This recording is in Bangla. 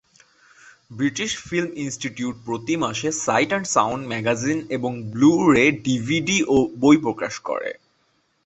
ব্রিটিশ ফিল্ম ইনস্টিটিউট প্রতি মাসে "সাইট অ্যান্ড সাউন্ড" ম্যাগাজিন এবং ব্লু-রে, ডিভিডি ও বই প্রকাশ করে।